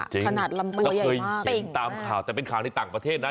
เราเคยเห็นตามข่าวแต่เป็นข่าวในต่างประเทศนะ